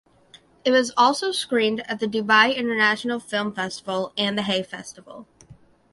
It was also screened at the Dubai International Film Festival and the Hay Festival.